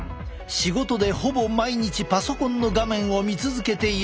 仕事でほぼ毎日パソコンの画面を見続けているという。